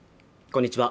こんにちは